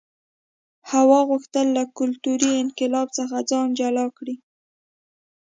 هوا غوښتل له کلتوري انقلاب څخه ځان جلا کړي.